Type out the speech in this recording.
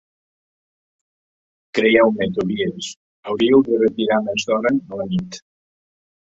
Creieu-me, Tobies, hauríeu de retirar més d’hora a la nit;